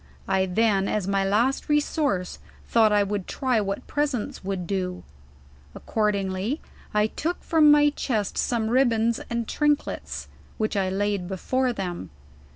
I then, as my last resource, thought I would try what presents would do; accordingly I took from my chest some ribbands and trinkets, which I laid before them.